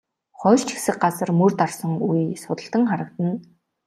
Хоёр ч хэсэг газар мөр дарсан үе судалтан харагдана.